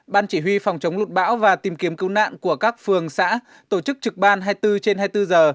ban chỉ huy phòng chống lụt bão và tìm kiếm cứu nạn của các phường xã tổ chức trực ban hai mươi bốn trên hai mươi bốn giờ